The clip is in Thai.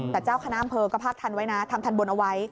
แต่เจ้าคณะอำเภอก็ภาคทันไว้นะทำทันบนเอาไว้